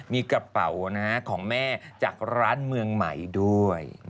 มีกระเป๋าของแม่จากร้านเมืองใหม่ด้วย